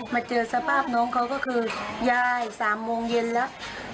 มาเจอสภาพน้องเขาก็คือยาย๓โมงเย็นแล้ว